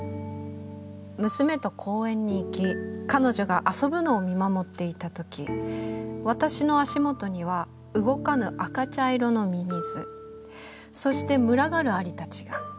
「娘と公園に行き彼女が遊ぶのを見守っていたとき私の足元には動かぬ赤茶色の蚯蚓そして群がる蟻たちが。